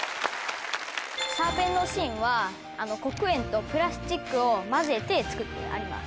シャーペンの芯は黒鉛とプラスチックを混ぜて作ってあります。